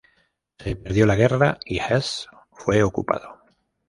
Se perdió la guerra, y Hesse fue ocupado.